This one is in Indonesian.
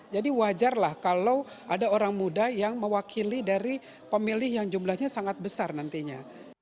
jadi wajarlah kalau ada orang muda yang mewakili dari pemilih yang jumlahnya sangat besar nantinya